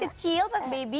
iya pas kecil pas baby